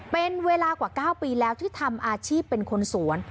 เป็นเวลากว่า๙ปีแล้วที่ทำอาชีพเป็นคนสวน